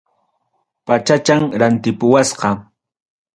Pachachan rantipuwasqa.